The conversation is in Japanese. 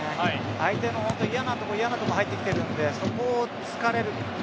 相手の嫌なところに入ってきているのでそこを突かれると。